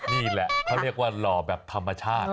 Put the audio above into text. นี่แหละเขาเรียกว่าหล่อแบบธรรมชาติ